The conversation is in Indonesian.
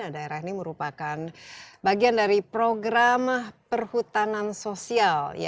daerah ini merupakan bagian dari program perhutanan sosial